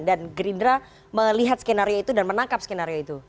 dan gerindra melihat skenario itu dan menangkap skenario itu